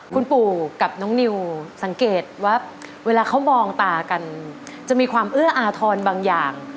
คุณปู่กับน้องนิวสังเกตว่าเวลาเขามองตากันจะมีความเอื้ออาทรบางอย่าง